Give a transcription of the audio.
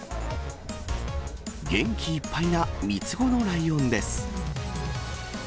元気いっぱいな３つ子のライオンです。